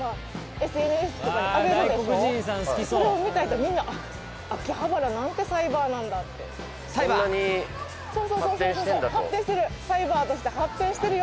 それを見た人みんな「あっ秋葉原なんてサイバーなんだ」って発展してる